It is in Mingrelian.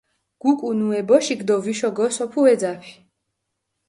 გუკუნ ე ბოშიქ დო ვიშო გოსოფუ ე ძაფი.